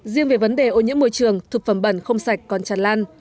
riêng về vấn đề ô nhiễm môi trường thực phẩm bẩn không sạch còn tràn lan